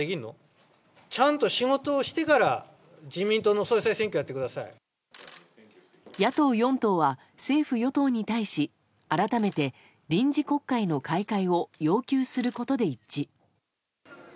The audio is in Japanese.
一方。野党４党は政府・与党に対し改めて、臨時国会の開会を要求することで一致。